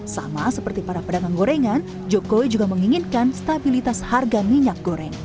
sama seperti para pedagang gorengan jokowi juga menginginkan stabilitas harga minyak goreng